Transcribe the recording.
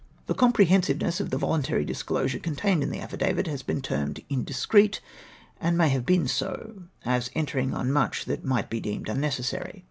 The comprehensiveness of the voluntary disclosure contained in the affidavit has been termed indiscreet, and may have been so, as entering on much that might be deemed unnecessary.